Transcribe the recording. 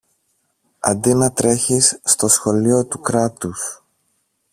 Αντί να τρέχεις στο Σχολείο του Κράτους